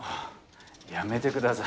やめてください。